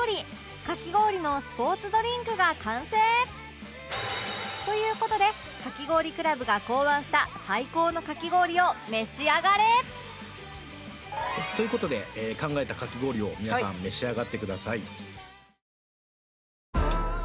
かき氷のスポーツドリンクが完成という事でかき氷倶楽部が考案した最高のかき氷を召し上がれ！という事で考えたかき氷を皆さん召し上がってください。